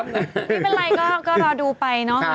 ไม่เป็นไรก็รอดูไปเนาะ